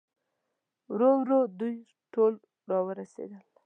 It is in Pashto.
ورو ورو دوی ټول راورسېدل.